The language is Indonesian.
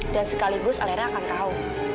dan sekaligus alena akan tahu